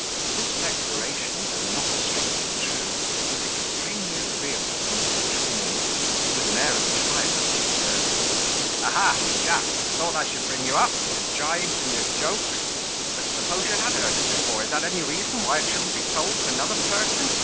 This declaration, though not strictly true, was extremely agreeable to Mr. Trunnion, who, with an air of triumph, observed, "Aha! Jack, I thought I should bring you up, with your gibes and your jokes: but suppose you had heard it before, is that any reason why it shouldn't be told to another person?